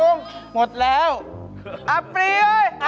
เล่นกันจนนึกว่าจะไม่ได้เข้าซะแล้ว